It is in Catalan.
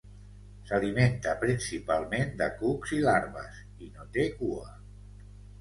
S'alimenta principalment de cucs i larves i no té cua.